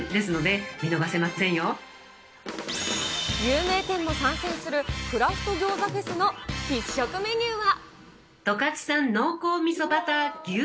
初有名店も参戦するクラフト餃子フェスの必食メニューは。